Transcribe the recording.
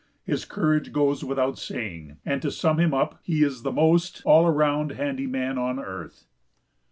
His courage goes without saying, and, to sum him up, he is the most all around handy man on earth.